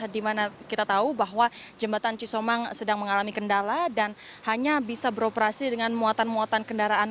dimana kita tahu bahwa jembatan cisomang sedang mengalami kendala dan hanya bisa beroperasi dengan muatan muatan kendaraan